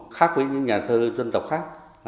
khác với những nhà thơ dân tộc khác